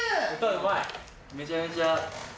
めちゃめちゃ。